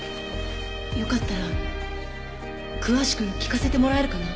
よかったら詳しく聞かせてもらえるかな？